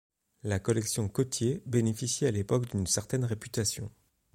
La collection Cottier bénéficie à l'époque d'une certaine réputation.